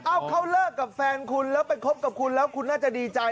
เขาเลิกกับแฟนคุณแล้วไปคบกับคุณแล้วคุณน่าจะดีใจ